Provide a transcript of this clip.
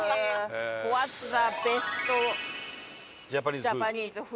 ホワッツザベストジャパニーズフード？